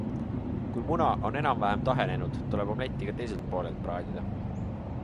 Kui muna on enam-vähem tahenenud, tuleb omletti ka teiselt poolelt praadida.